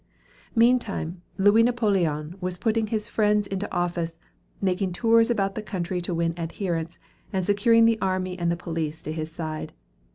Meantime Louis Napoleon was putting his friends into office, making tours about the country to win adherents, and securing the army and the police to his side.